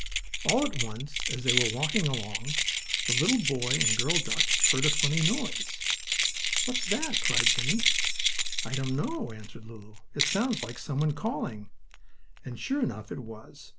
All at once, as they were walking along, the little boy and girl duck heard a funny noise. "What's that?" cried Jimmie. "I don't know," answered Lulu. "It sounds like some one calling." And, sure enough, it was.